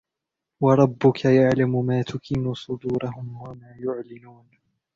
وربك يعلم ما تكن صدورهم وما يعلنون